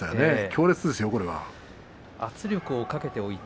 強烈ですよ。